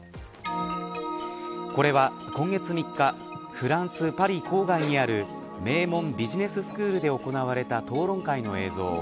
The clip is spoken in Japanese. これは、今月３日フランス・パリ郊外にある名門ビジネススクールで行われた討論会の映像。